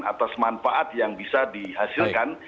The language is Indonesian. atas manfaat yang bisa dihasilkan